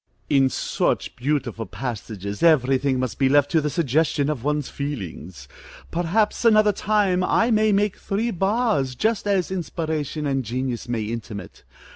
In such beautiful passages, every thing must be left to the suggestion of one's feelings. Perhaps another time I may make three bars, just as inspiration and genius may intimate.